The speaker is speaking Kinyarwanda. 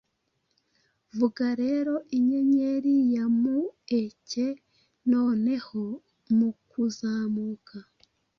Vuga rero Inyenyeri Yumueke noneho mukuzamuka